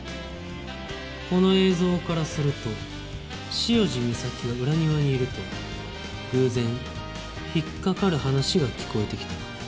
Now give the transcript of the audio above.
この映像からすると潮路岬が裏庭にいると偶然引っかかる話が聞こえてきた。